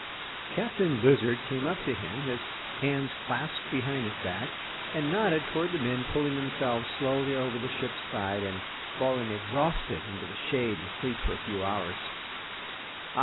Captain Blizzard came up to him, his hands clasped behind his back, and nodded toward the men pulling themselves slowly over the ship's side and falling exhausted into the shade to sleep for a few hours.